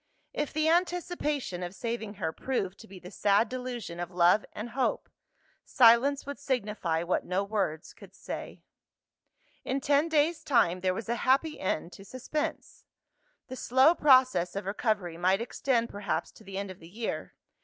If the anticipation of saving her proved to be the sad delusion of love and hope, silence would signify what no words could say. In ten days' time, there was a happy end to suspense. The slow process of recovery might extend perhaps to the end of the year.